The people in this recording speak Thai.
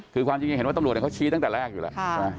คือความจริงยังเห็นว่าตำรวจเขาชี้ตั้งแต่แรกอยู่แล้วใช่ไหม